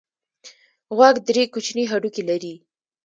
غوږ درې کوچني هډوکي لري.